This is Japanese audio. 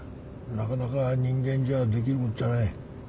なかなか人間じゃできることじゃない。